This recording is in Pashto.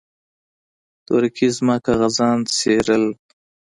تورکي زما کاغذان څيرل.